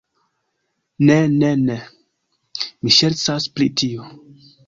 Ne, ne, ne. Mi ŝercas pri tio.